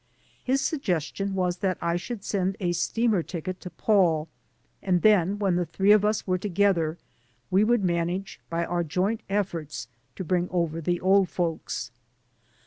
His suggestion was that I should send a steamer ticket to Paul; and tlien,,when the three of us were together, we would manage by our joint eflforts to bring over the old folks.